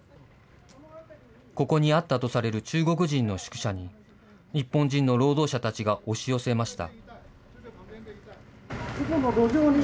ここにあったとされる中国人の宿舎に、日本人の労働者たちが押し寄せました。